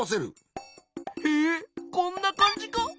へえこんなかんじか！